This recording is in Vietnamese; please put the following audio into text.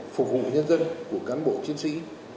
phục vụ nhân dân của cán bộ chiến sĩ